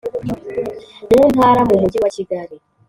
Mu ntara mu mujyi wa kigali